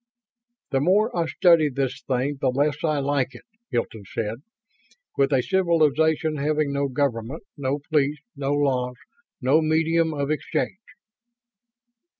"The more I study this thing the less I like it," Hilton said. "With a civilization having no government, no police, no laws, no medium of exchange